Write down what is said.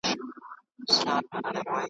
زه خالق یم را لېږلې زه مي زېری د یزدان یم .